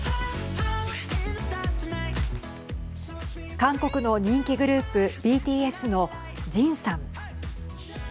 韓国の人気グループＢＴＳのジンさん。